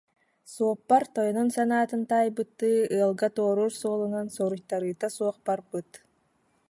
Суоппар тойонун санаатын таайбыттыы, ыалга туоруур суолунан соруйтарыыта суох барбыт